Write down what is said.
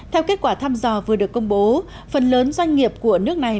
theo kết quả thăm dò vừa được công bố phần lớn doanh nghiệp của nước này